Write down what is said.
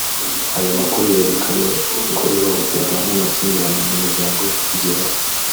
Ayo makuru yerekanye ko ihohoterwa n’amakimbirane mu miryango bigihari